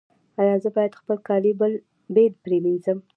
ایا زه باید خپل کالي بیل پریمنځم؟